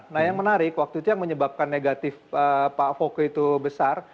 nah yang menarik waktu itu yang menyebabkan negatif pak foko itu besar